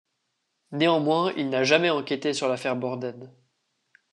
Néanmoins, il n'a jamais enquêté sur l'affaire Borden.